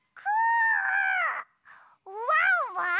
ワンワン！